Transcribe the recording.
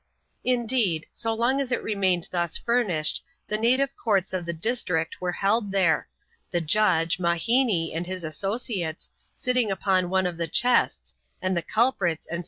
Indeed, so long as it remained thus furnished, the native ooorts of the district were held there ; the judge, Mahinee, and Idi (associates, sitting upon one of the chests, and the culprits aad.